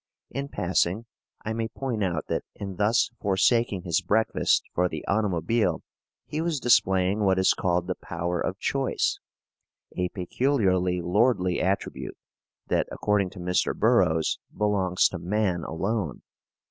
In passing, I may point out that in thus forsaking his breakfast for the automobile he was displaying what is called the power of choice a peculiarly lordly attribute that, according to Mr. Burroughs, belongs to man alone.